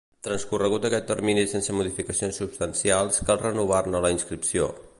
Transcorregut aquest termini sense modificacions substancials, cal renovar-ne la inscripció.